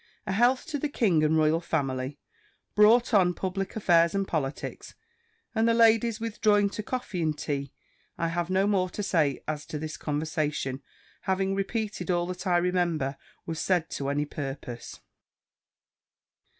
A health to the king and royal family, brought on public affairs and politics; and the ladies withdrawing to coffee and tea, I have no more to say as to this conversation, having repeated all that I remember was said to any purpose.